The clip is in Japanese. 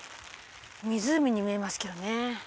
湖に見えますけどね。